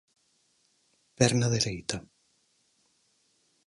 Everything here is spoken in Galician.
Perna dereita.